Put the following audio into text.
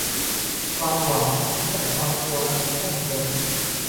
"ความหวังและความกลัวอันท่วมท้น"